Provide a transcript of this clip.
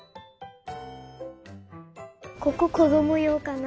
こここどもようかな？